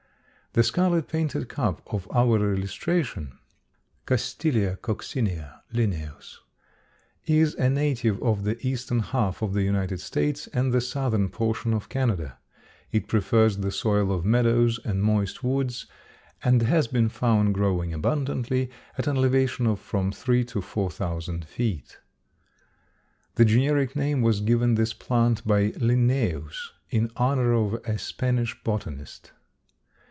The scarlet painted cup of our illustration (Castilleja coccinea, L.) is a native of the eastern half of the United States and the southern portion of Canada. It prefers the soil of meadows and moist woods and has been found growing abundantly at an elevation of from three to four thousand feet. The generic name was given this plant by Linnæus in honor of a Spanish botanist.